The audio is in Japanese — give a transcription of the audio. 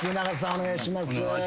お願いします。